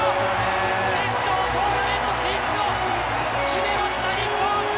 決勝トーナメント進出を決めました日本。